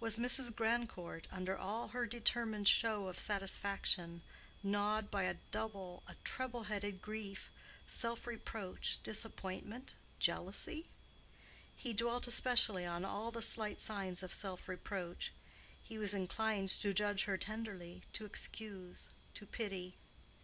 Was Mrs. Grandcourt, under all her determined show of satisfaction, gnawed by a double, a treble headed grief—self reproach, disappointment, jealousy? He dwelt especially on all the slight signs of self reproach: he was inclined to judge her tenderly, to excuse, to pity.